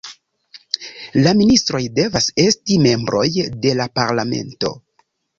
La ministroj devas esti membroj de la parlamento.